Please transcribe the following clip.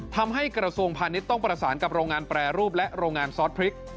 ทำให้กระทรวงพาณิชย์ต้องประสานกับโรงงานแปรรูปและโรงงานซอสพริก